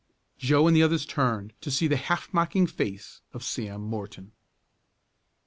Joe and the others turned, to see the half mocking face of Sam Morton.